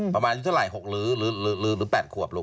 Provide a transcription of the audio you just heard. ประมาณอายุเท่าไหร่๖หรือ๘ขวบลูก